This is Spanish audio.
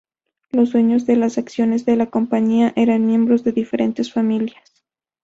Los dueños de las acciones de la compañía eran miembros de diferentes familias.